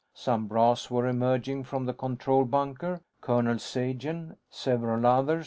Some brass were emerging from the control bunker. Colonel Sagen, several others.